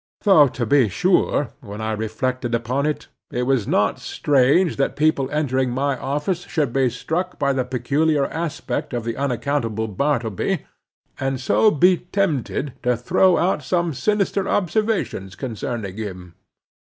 Though to be sure, when I reflected upon it, it was not strange that people entering my office should be struck by the peculiar aspect of the unaccountable Bartleby, and so be tempted to throw out some sinister observations concerning him.